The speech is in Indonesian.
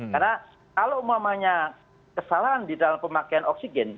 karena kalau umumnya kesalahan di dalam pemakaian oksigen